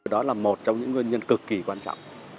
đó là một trong những nguyên nhân cực kỳ quan trọng